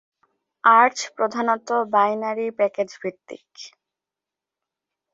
Arch প্রধানত binary প্যাকেজভিত্তিক।